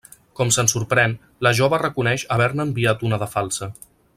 Com se'n sorprèn, la jove reconeix haver-ne enviat una de falsa.